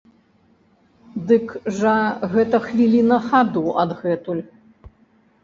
Дык жа гэта хвіліна хаду адгэтуль!